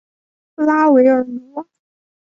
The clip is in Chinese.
拉韦尔努瓦。